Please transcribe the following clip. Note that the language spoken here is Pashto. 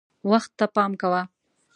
وخت ته پام کوه .